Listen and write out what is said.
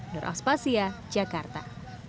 nur aspasia jakarta